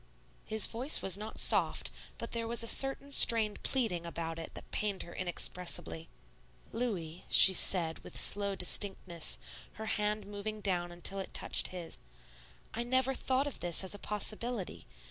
His voice was not soft, but there was a certain strained pleading about it that pained her inexpressibly. "Louis," she said, with slow distinctness, her hand moving down until it touched his, "I never thought of this as a possibility.